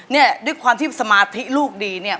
เนี่ยด้วยความที่สมาธิลูกดีเนี่ย